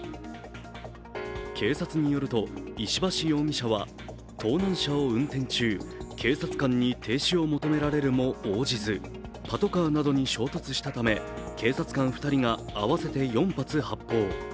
警察によると、石橋容疑者は盗難車を運転中警察官に停止を求められるも応じずパトカーなどに衝突したため、警察官２人が合わせて４発発砲。